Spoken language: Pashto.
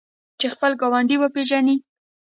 چې خپل ګاونډی وپیژني.